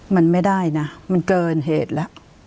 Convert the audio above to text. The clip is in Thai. มันไม่ได้นะมันเกินเหตุแล้ว